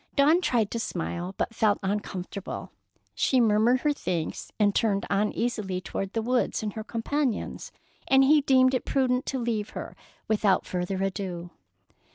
Dawn tried to smile, but felt uncomfortable. She murmured her thanks again, and turned uneasily toward the woods and her companions, and he deemed it prudent to leave her without further ado.